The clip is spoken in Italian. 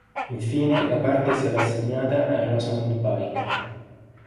Infine la parte è stata assegnata a Rosamund Pike.